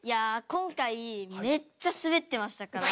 今回めっちゃスベってましたから。